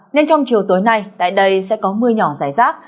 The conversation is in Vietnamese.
nên trong chiều tối nay tại đây sẽ có mưa nhỏ rải rác